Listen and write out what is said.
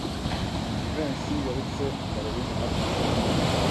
Jivency yeretse Kalorina hafi y'ishuri.